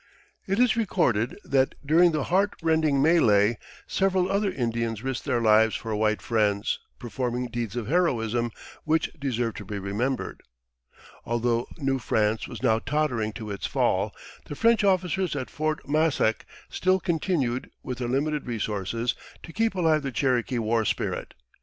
It is recorded that during the heartrending mêlée several other Indians risked their lives for white friends, performing deeds of heroism which deserve to be remembered. Although New France was now tottering to its fall, the French officers at Fort Massac still continued, with their limited resources, to keep alive the Cherokee war spirit.